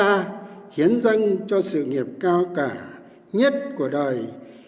ta khiến dâng cho sự nghiệp cao cả nhất của đời